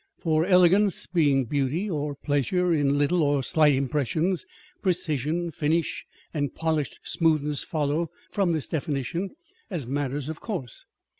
For elegance being beauty or pleasure in little or slight impressions, precision, finish, and polished smoothness follow from this definition as matters of course.